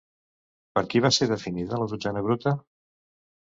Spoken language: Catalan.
Per qui va ser definida la dotzena bruta?